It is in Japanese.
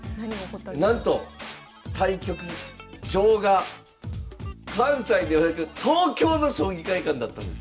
なんと対局場が関西ではなく東京の将棋会館だったんです。